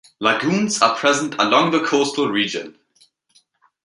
Lagoons are present along the coastal region.